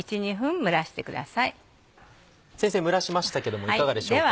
先生蒸らしましたけどもいかがでしょうか。